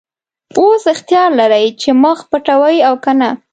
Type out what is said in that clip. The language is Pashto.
اوس اختیار لرې چې مخ پټوې او که نه.